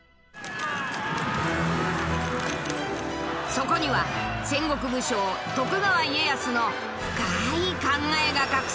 そこには戦国武将徳川家康の深い考えが隠されていた。